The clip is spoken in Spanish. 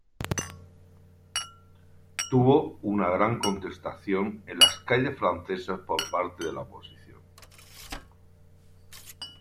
Tuvo una gran contestación en las calles francesas por parte de la oposición.